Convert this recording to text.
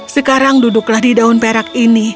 sekarang duduklah di daun perak ini